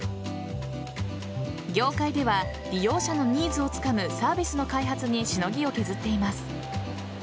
業界では利用者のニーズをつかむサービスの開発に、しのぎを削っています。